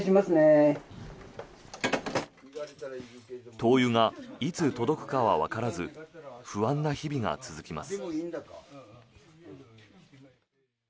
灯油がいつ届くかはわからず不安の日々が続きます。